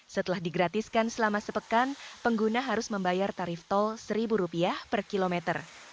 setelah digratiskan selama sepekan pengguna harus membayar tarif tol rp satu per kilometer